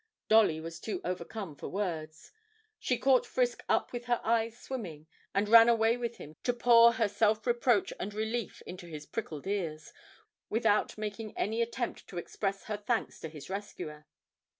Dolly was too overcome for words; she caught Frisk up with her eyes swimming, and ran away with him to pour her self reproach and relief into his pricked ears, without making any attempt to express her thanks to his rescuer.